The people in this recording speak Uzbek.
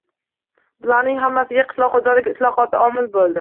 Bularning hammasiga qishloq xo‘jaligi islohoti omil bo‘ldi.